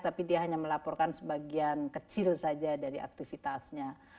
tapi dia hanya melaporkan sebagian kecil saja dari aktivitasnya